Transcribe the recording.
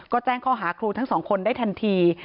ก็แจ้งข้อหาครูทั้งสองคนได้ทันที